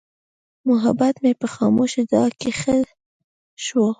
محبت مې په خاموشه دعا کې ښخ شو.